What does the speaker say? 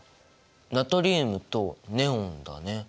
ナトリウムとネオンだね。